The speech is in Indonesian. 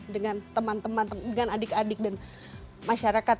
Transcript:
dengan teman teman dengan adik adik dan masyarakat